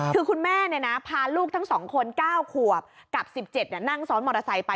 คือคุณแม่พาลูกทั้ง๒คน๙ขวบกับ๑๗นั่งซ้อนมอเตอร์ไซค์ไป